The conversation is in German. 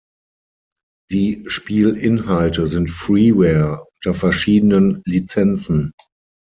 Die Spielinhalte sind Freeware unter verschiedenen Lizenzen.